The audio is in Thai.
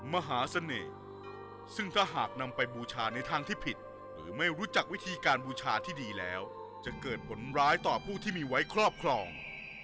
มหาเสน่ห์ซึ่งถ้าหากนำไปบูชาในทางที่ผิดหรือไม่รู้จักวิธีการบูชาที่ดีแล้วจะเกิดผลร้ายต่อผู้ที่มีไว้ครอบครอง